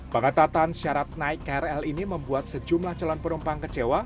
pengetatan syarat naik krl ini membuat sejumlah calon penumpang kecewa